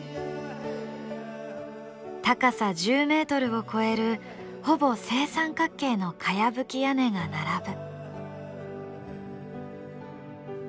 高さ１０メートルを超えるほぼ正三角形の茅葺き屋根が並ぶ。